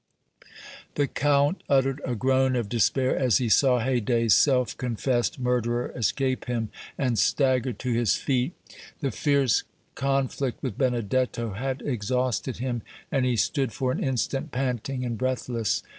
The Count uttered a groan of despair as he saw Haydée's self confessed murderer escape him, and staggered to his feet; the fierce conflict with Benedetto had exhausted him, and he stood for an instant panting and breathless.